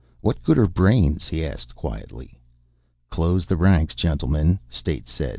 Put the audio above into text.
"What good are brains?" he asked quietly. "Close the ranks, gentlemen," State said.